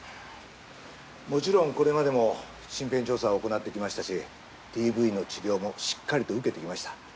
もちろんこれまでも身辺調査を行ってきましたしＤＶの治療もしっかりと受けていました。